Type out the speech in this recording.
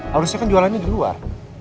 harusnya kan jualannya di luar